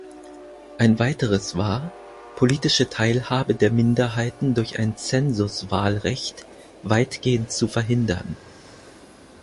Ein weiteres war, politische Teilhabe der Minderheiten durch ein Zensuswahlrecht weitgehend zu verhindern.